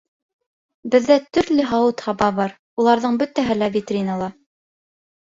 Беҙҙә төрлө һауыт-һаба бар. Уларҙың бөтәһе лә витринала.